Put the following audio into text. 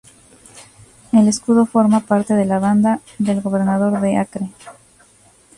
El escudo forma parte de la banda del gobernador de Acre.